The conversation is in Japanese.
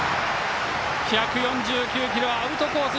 １４９キロ、アウトコース